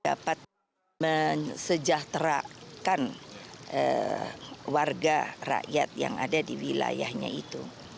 dapat mensejahterakan warga rakyat yang ada di wilayahnya itu